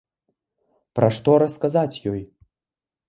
Пра што расказаць ёй?